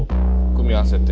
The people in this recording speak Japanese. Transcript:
組み合わせて。